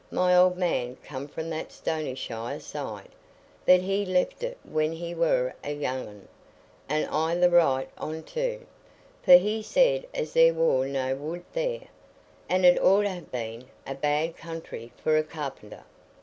My old man come from that Stonyshire side, but he left it when he war a young un, an' i' the right on't too; for he said as there war no wood there, an' it 'ud ha' been a bad country for a carpenter."